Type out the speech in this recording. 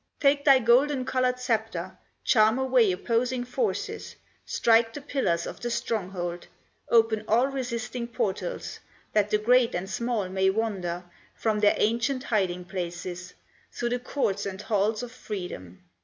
Take thy golden colored sceptre, Charm away opposing forces, Strike the pillars of the stronghold, Open all resisting portals, That the great and small may wander From their ancient hiding places, Through the courts and halls of freedom."